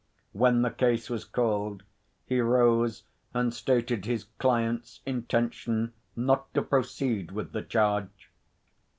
When the case was called, he rose and stated his client's intention not to proceed with the charge.